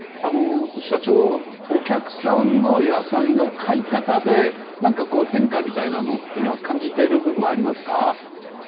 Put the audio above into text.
社長お客さんの野菜の買い方で何か変化みたいなものを感じている部分はありますか？